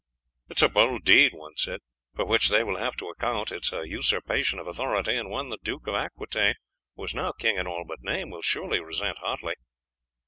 "It is a bold deed," one said, "for which they will have to account. It is a usurpation of authority, and one the Duke of Aquitaine, who is now king in all but name, will surely resent hotly."